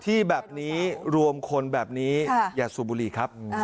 ที่แบบนี้รวมคนแบบนี้อย่าสูบบุหรี่ครับ